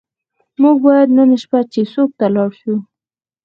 موږ باید نن شپه چیسوک ته لاړ شو.